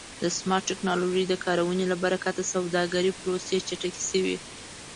د سمارټ ټکنالوژۍ د کارونې له برکت د سوداګرۍ پروسې چټکې شوې.